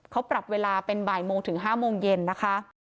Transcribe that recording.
เขาปรับเวลาเป็นบ่ายโมงถึง๕โมงเย็นนะคะ